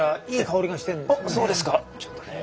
いい香りがします。